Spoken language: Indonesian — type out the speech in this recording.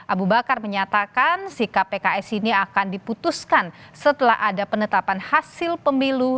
abu bakar menyatakan sikap pks ini akan diputuskan setelah ada penetapan hasil pemilu